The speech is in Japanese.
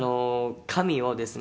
「紙をですね